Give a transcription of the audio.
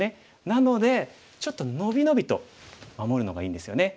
なのでちょっと伸び伸びと守るのがいいんですよね。